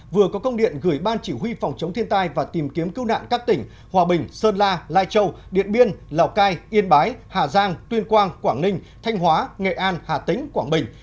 vừa có công điện gửi ban chỉ huy phòng chống thiên tai và tìm kiếm cứu nạn các tỉnh hòa bình sơn la lai châu điện biên lào cai yên bái hà giang tuyên quang quảng ninh thanh hóa nghệ an hà tĩnh quảng bình